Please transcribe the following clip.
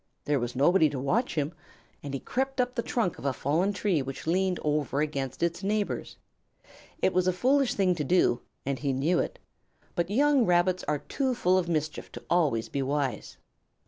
There was nobody to watch him, and he crept up the trunk of a fallen tree which leaned over against its neighbors. It was a foolish thing to do, and he knew it, but young Rabbits are too full of mischief to always be wise.